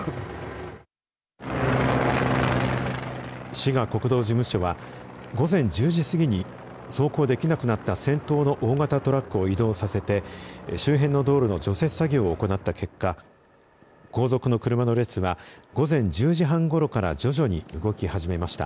滋賀国道事務所は午前１０時過ぎに走行できなくなった先頭の大型トラックを移動させて周辺の道路の除雪作業を行った結果後続の車の列は午前１０時半ごろから徐々に動き始めました。